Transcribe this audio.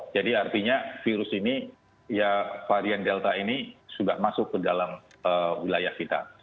jadi artinya virus ini varian delta ini sudah masuk ke dalam wilayah kita